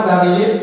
bahwa saksi gr